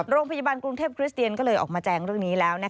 โรงพยาบาลกรุงเทพคริสเตียนก็เลยออกมาแจงเรื่องนี้แล้ว